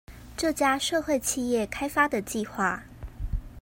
這家社會企業開發的計畫